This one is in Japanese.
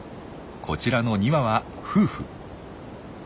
こちらの２羽は夫婦。